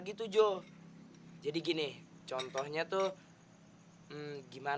gitu joe jadi gini contohnya tuh gimana kalau aku kasih kamu cd ps tapi aku boleh